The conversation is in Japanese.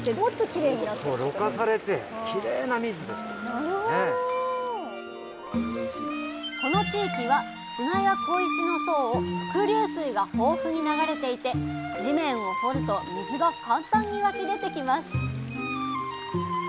まずはこの地域は砂や小石の層を伏流水が豊富に流れていて地面を掘ると水が簡単に湧き出てきます